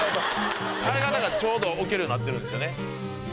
あれがだからちょうど置けるようになってるんですよね。